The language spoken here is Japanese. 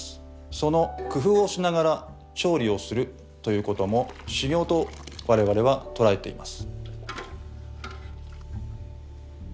その工夫をしながら調理をするということも修行と我々は捉えています。